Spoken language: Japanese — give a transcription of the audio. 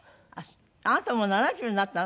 あなたもう７０になったの？